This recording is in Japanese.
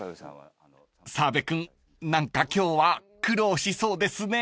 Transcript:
［澤部君何か今日は苦労しそうですね］